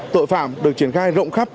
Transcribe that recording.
tội phạm được triển khai rộng khắp